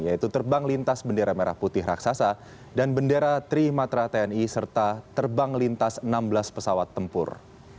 yaitu terbang lintas bendera merah putih raksasa dan bendera trimatra tni serta terbang lintas enam belas pesawat tempur